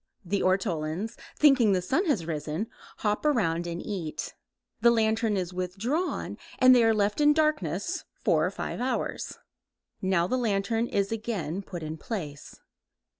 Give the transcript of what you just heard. The ortolans, thinking the sun has risen, hop around and eat. The lantern is withdrawn and they are left in darkness four or five hours. Now the lantern is again put in place.